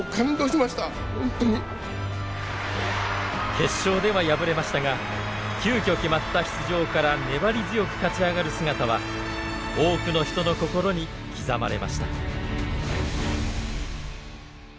決勝では敗れましたが急きょ決まった出場から粘り強く勝ち上がる姿は多くの人の心に刻まれました。